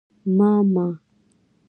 _ما، ما